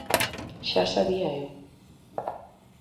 Xa sabía eu.